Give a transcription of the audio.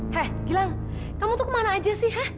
hei gilang kamu tuh kemana aja sih hea